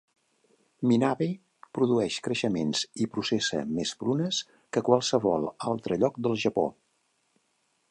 Minabe produeix creixements i processa més prunes que qualsevol altre lloc del Japó.